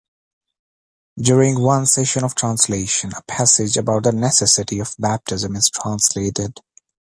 During one session of translation, a passage about the necessity of baptism is translated.